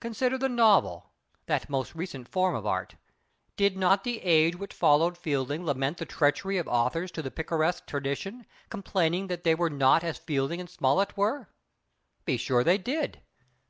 Consider the novel—that most recent form of Art! Did not the age which followed Fielding lament the treachery of authors to the Picaresque tradition, complaining that they were not as Fielding and Smollett were? Be sure they did.